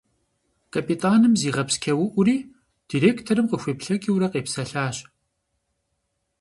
Капитаным зигъэпсчэуӀури, директорым хуеплъэкӀыурэ, къепсэлъащ.